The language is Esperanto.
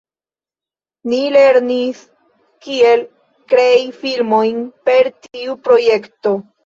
Ni lernis kiel krei filmojn per tiu projekto.